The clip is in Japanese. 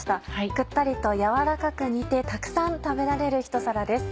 クッタリと軟らかく煮てたくさん食べられるひと皿です。